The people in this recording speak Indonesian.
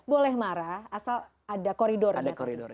boleh marah asal ada koridornya